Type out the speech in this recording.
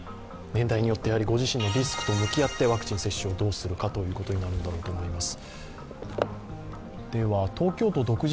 年代によってご自身のリスクと向き合って、ワクチン接種をどうするんだということになるんだと思います。